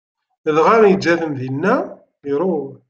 Dɣa yeǧǧa-ten dinna, iṛuḥ.